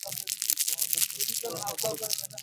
মহামায়ার সঙ্গে সংগ্রাম তো গৌরবের বিষয়।